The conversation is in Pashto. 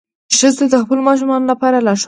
ښځه د خپلو ماشومانو لپاره لارښوده ده.